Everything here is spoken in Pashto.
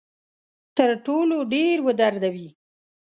تر ټولو ډیر ودردوي.